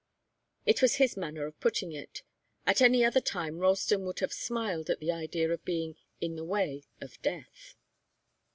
It was his manner of putting it. At any other time Ralston would have smiled at the idea of being 'in the way' of death.